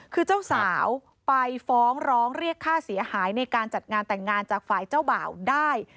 คือเจ้าสาวไปฟ้องร้องเรียกค่าเสียหายในการจัดงานแต่งงานจากฝ่ายเจ้าบ่าวได้